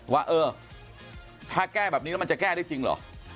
ว่าเออถ้าแก้แบบนี้แล้วมันจะแก้ได้จริงเหรอ